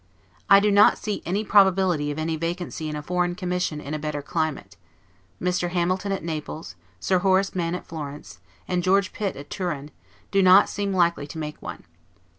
I do not see any probability of any vacancy in a foreign commission in a better climate; Mr. Hamilton at Naples, Sir Horace Mann at Florence, and George Pitt at Turin, do not seem likely to make one.